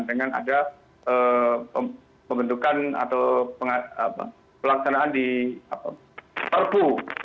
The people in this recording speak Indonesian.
dengan ada pembentukan atau pelaksanaan di perpu